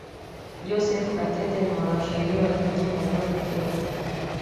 joseph katete ni mwanasheria wa jijini nairobi kenya